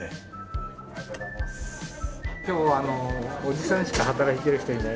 今日おじさんしか働いてる人いない。